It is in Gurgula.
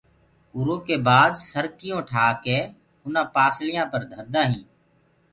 اُرو ڪي بآد سرڪيون ٺآ ڪي اُنآ پآسݪيآ پر دهردآ هينٚ۔